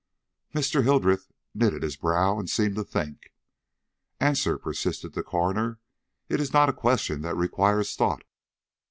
Mr. Hildreth knitted his brow and seemed to think. "Answer," persisted the coroner; "it is not a question that requires thought."